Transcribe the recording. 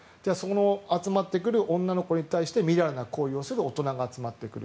集まってくる女の子に対してみだらな行為をする大人が集まってくる。